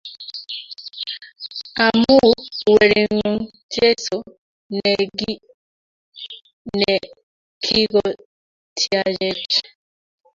Am u Wering'ung' Jesu ne kigotiachech.